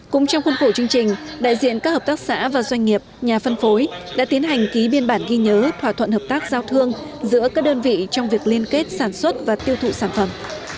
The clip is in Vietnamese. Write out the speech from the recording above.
cũng trong khuôn khổ chương trình đại diện các hợp tác xã và doanh nghiệp nhà phân phối đã tiến hành ký biên bản ghi nhớ thỏa thuận hợp tác giao thương giữa các đơn vị trong việc liên kết sản xuất và tiêu thụ sản phẩm